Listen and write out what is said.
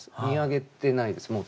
見上げてないです。